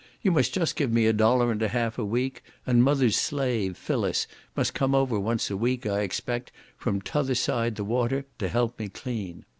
You must just give me a dollar and half a week, and mother's slave, Phillis, must come over once a week, I expect, from t'other side the water, to help me clean."